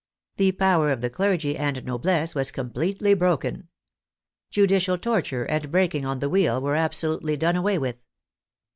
The power of the clergy and noblesse was completely broken. Judicial torture and breaking on the wheel were absolutely done away with.